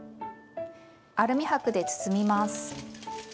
アルミ箔で包みます。